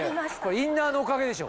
インナーのおかげでしょ。